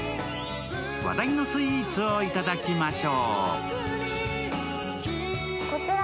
話題のスイーツを頂きましょう。